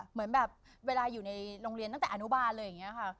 เหมือนแบบเวลาอยู่ในโรงเรียนตั้งแต่อนุบาลเลยอย่างนี้ค่ะ